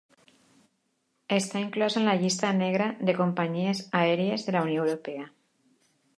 Està inclosa en la llista negra de companyies aèries de la Unió Europea.